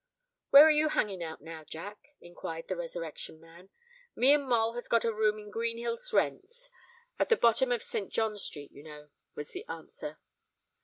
"Where are you hanging out now, Jack?" inquired the Resurrection Man. "Me and Moll has got a room in Greenhill's Rents—at the bottom of Saint John's Street, you know," was the answer.